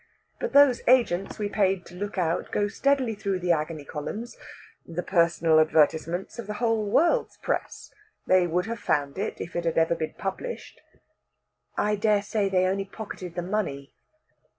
But those agents we paid to look out go steadily through the agony columns the personal advertisements of the whole world's press; they would have found it if it had ever been published." "I dare say they only pocketed the money."